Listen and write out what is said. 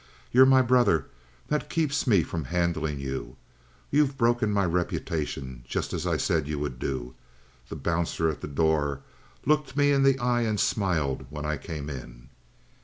You're my brother. That keeps me from handling you. You've broken my reputation just as I said you would do. The bouncer at the door looked me in the eye and smiled when I came in."